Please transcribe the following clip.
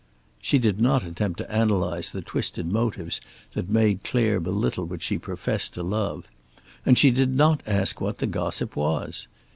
She did not attempt to analyze the twisted motives that made Clare belittle what she professed to love. And she did not ask what the gossip was.